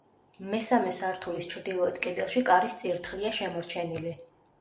მესამე სართულის ჩრდილოეთ კედელში კარის წირთხლია შემორჩენილი.